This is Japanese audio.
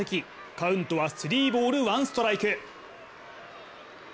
カウントはスリーボール・ワンストライク。